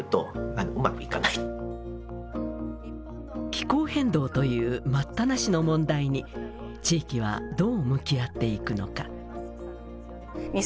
気候変動という待ったなしの問題に地域はどう向き合っていくのか。